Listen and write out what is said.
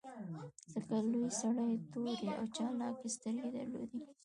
ځکه لوی سړي تورې او چالاکې سترګې درلودې